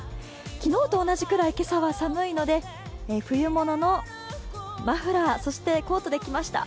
昨日と同じくらい今朝は寒いので、冬物のマフラー、そしてコートで来ました。